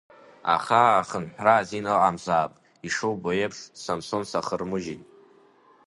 Аха ахынҳәра азин ыҟамзаап, ишубо еиԥш, Самсун сахырмыжьит…